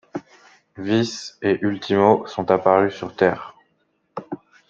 Vice et Ultimo sont apparus sur Terre.